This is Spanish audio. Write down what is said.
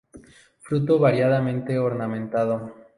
Fruto variadamente ornamentado.